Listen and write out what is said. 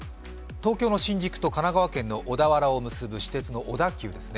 東京の新宿と神奈川県の小田原を結ぶ私鉄・小田急ですね。